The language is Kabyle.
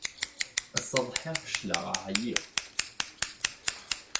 Ass-a ḍḥiɣ fecleɣ ɛyiɣ.